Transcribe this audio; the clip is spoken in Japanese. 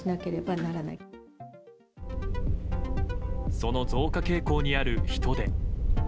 その増加傾向にある人出。